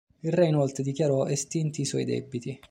Il re inoltre dichiarò estinti i suoi debiti.